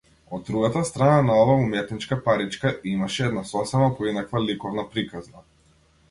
Од другата страна на оваа уметничка паричка, имаше една сосема поинаква ликовна приказна.